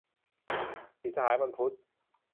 สี่สหายวันพุธ